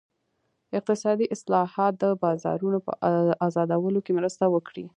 اقتصادي اصلاحات د بازارونو په ازادولو کې مرسته وکړي.